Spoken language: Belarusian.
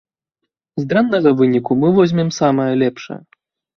З дрэннага выніку мы возьмем самае лепшае.